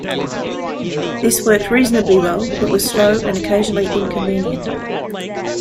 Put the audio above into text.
This worked reasonably well but was slow and occasionally inconvenient.